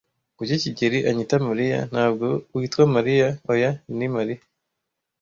"Kuki kigeli anyita Mariya?" "Ntabwo witwa Mariya?" "Oya, ni Mariya."